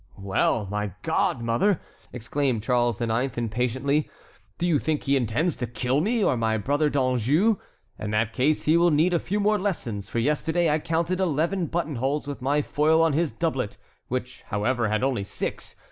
"Well, my God, mother!" exclaimed Charles IX., impatiently, "do you think he intends to kill me, or my brother D'Anjou? In that case he will need a few more lessons, for yesterday I counted eleven buttonholes with my foil on his doublet, which, however, had only six.